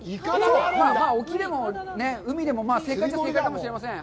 沖でもね、海でもまあ正解っちゃ正解かもしれません。